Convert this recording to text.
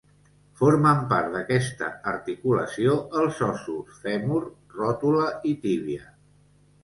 Formen part d'aquesta articulació els ossos: fèmur, ròtula i tíbia.